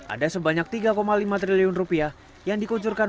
ada sebanyak tiga lima triliun rupiah yang dikucurkan